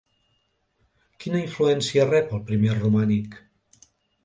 Quina influència rep el primer romànic?